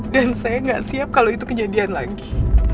dan saya gak siap kalau itu kejadian lagi